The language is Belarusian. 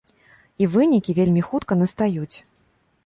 І вынікі вельмі хутка настаюць.